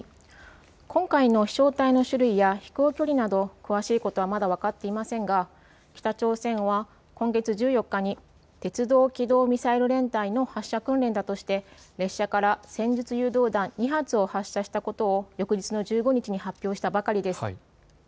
今回の飛しょう体の種類や飛行距離など詳しいことはまだ分かっていませんが北朝鮮は今月１４日に鉄道機動ミサイル連隊の発射訓練だとして列車から戦術誘導弾２発を発射したことを翌日の１５日に発表したばかりです。